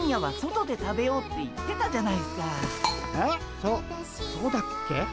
そそうだっけ？